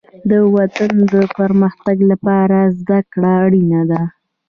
د وطن د پرمختګ لپاره زدهکړه اړینه ده.